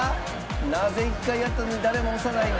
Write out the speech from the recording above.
なぜ１回やったのに誰も押さないんだ。